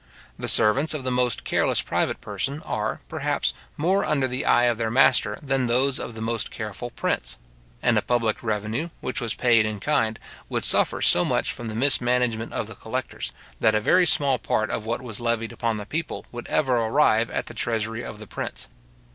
The servants of the most careless private person are, perhaps, more under the eye of their master than those of the most careful prince; and a public revenue, which was paid in kind, would suffer so much from the mismanagement of the collectors, that a very small part of what was levied upon the people would ever arrive at the treasury of the prince.